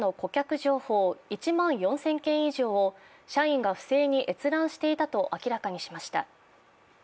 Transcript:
情報１万４０００件以上を社員が不正に閲覧していたと明らかにしました。